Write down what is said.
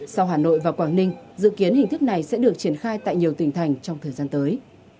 sau hà nội và quảng ninh dự kiến hình thức này sẽ được triển khai tại nhiều tỉnh thành trong thời gian tới